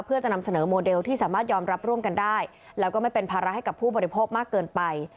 เพื่อจะนำเสนอโมเดลที่สามารถยอมรับร่วมกันได้แล้วก็ไม่เป็นภาระให้กับผู้บริโภคมากเกินไป